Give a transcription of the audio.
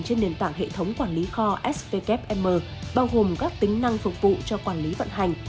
trên nền tảng hệ thống quản lý kho svkm bao gồm các tính năng phục vụ cho quản lý vận hành